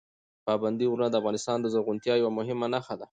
پابندي غرونه د افغانستان د زرغونتیا یوه مهمه نښه ده.